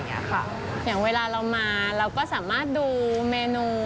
อย่างเวลาเรามาเราก็สามารถดูเมนู